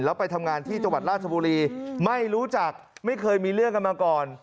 แล้วไปทำงานที่จังหวัดราชบุรีไม่รู้จักไม่เคยมีเรื่องกันมาก่อน